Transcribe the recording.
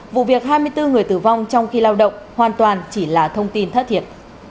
vụ việc hai mươi bốn người tử vong trong khi lao động hoàn toàn chỉ là thông tin thất thiệt